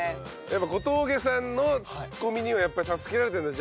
やっぱ小峠さんのツッコミにはやっぱり助けられてんだ？